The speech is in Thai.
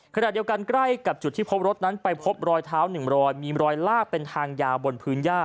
ขณะเดียวกันใกล้กับจุดที่พบรถนั้นไปพบรอยเท้า๑รอยมีรอยลากเป็นทางยาวบนพื้นย่า